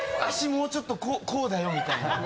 もうちょっとこうだよみたいな。